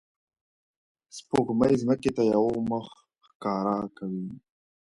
سپوږمۍ ځمکې ته یوه مخ ښکاره کوي